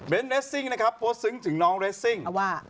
เบ้นท์เรสซิงโหดซึ้งถึงน้องเรสซิง